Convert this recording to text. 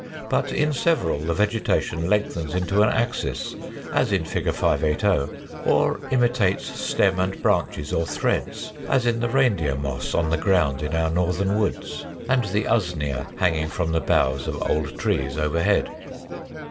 But in several the vegetation lengthens into an axis (as in Fig. 580), or imitates stem and branches or threads, as in the Reindeer Moss on the ground in our northern woods, and the Usnea hanging from the boughs of old trees overhead.